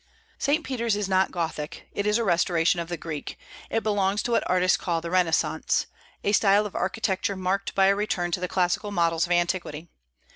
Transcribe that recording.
St. Peter's is not Gothic, it is a restoration of the Greek; it belongs to what artists call the Renaissance, a style of architecture marked by a return to the classical models of antiquity.